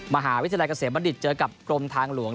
มหาวิทยาลัยเกษมบัณฑิตเจอกับกรมทางหลวง